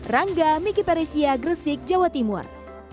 rangga miki peresia gresik jawa timur